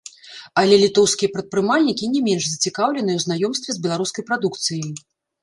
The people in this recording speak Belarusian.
Але літоўскія прадпрымальнікі не менш зацікаўленыя ў знаёмстве з беларускай прадукцыяй.